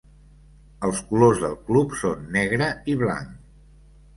Els colors del club són negre i blanc.